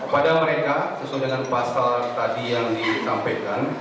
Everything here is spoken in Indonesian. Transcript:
pada mereka sesuai dengan pasal tadi yang disampaikan